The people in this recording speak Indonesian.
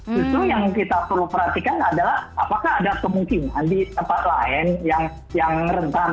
justru yang kita perlu perhatikan adalah apakah ada kemungkinan di tempat lain yang rentan